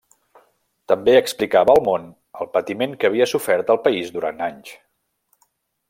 També explicava al món el patiment que havia sofert el país durat anys.